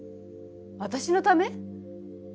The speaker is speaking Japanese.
私のため？